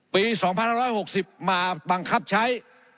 ปี๒๑๖๐มาบังคับใช้